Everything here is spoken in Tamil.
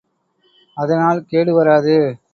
அதனால் கேடு வராது.